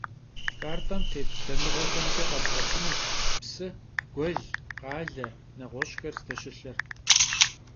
Kartem têt damığexemç'e khepş'efınuş psı, guel, khale, neğueş'xer zdeşılhır.